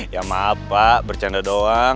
ya maaf pak bercanda doang